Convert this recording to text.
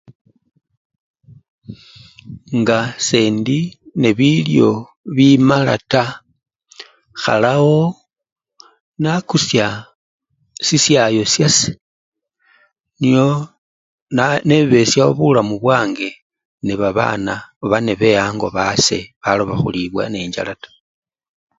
Nga sendi nebilyo bimala taa, ikhalawo nakusha shishayo shase nyo nebeshawo bulamu bwange nebabana oba nebe-ango basee baloba khulibwa nenjjala taa.